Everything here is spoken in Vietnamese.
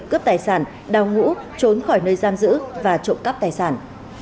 cướp tài sản đào ngũ trốn khỏi nơi giam giữ và trộm cắp tài sản